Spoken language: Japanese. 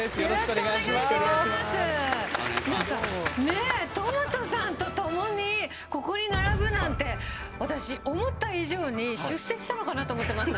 えとまとさんと共にここに並ぶなんて私思った以上に出世したのかなと思ってますが。